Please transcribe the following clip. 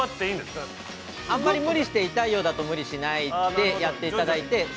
◆あんまり無理して痛いようだと無理しないでやっていただいて。